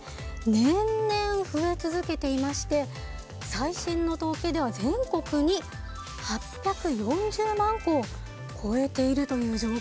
年々増え続けていまして最新の統計では全国に８４０万戸を超えているという状況なんです。